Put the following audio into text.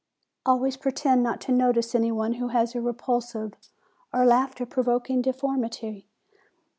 Always pretend not to notice any one who has a repulsive or laughter provoking deformity.